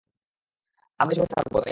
আমরা এই শহরেই থাকবো, তাই না?